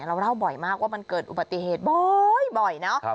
เราเล่าบ่อยมากว่ามันเกิดอุบัติเหตุบ่อยเนาะ